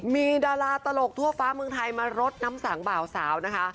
มีดาราตลกทั่วฟ้าเมืองไทยมารดน้ำสังบ่าวสาวนะคะ